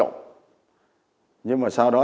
chín gói ghém quần áo